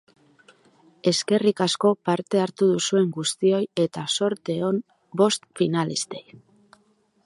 Eskerrik asko parte hartu duzuen guztioi eta zorte on bost finalistei!